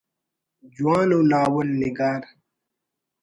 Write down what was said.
جوان ءُ ناول نگار